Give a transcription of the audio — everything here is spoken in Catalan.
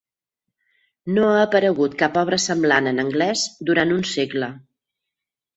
No ha aparegut cap obra semblant en anglès durant un segle.